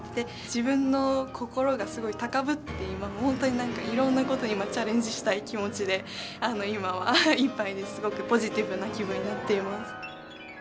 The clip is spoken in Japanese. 自分の心がすごい高ぶってて今もう本当になんかいろんなことに今チャレンジしたい気持ちで今はいっぱいですごくポジティブな気分になっています。